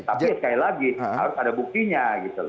tapi sekali lagi harus ada buktinya gitu loh